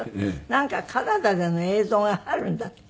なんかカナダでの映像があるんだって。